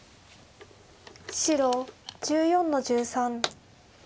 白１４の十三。